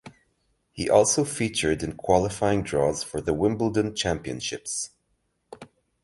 He also featured in qualifying draws for the Wimbledon Championships.